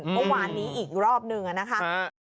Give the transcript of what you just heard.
เมื่อวานนี้อีกรอบหนึ่งนะคะ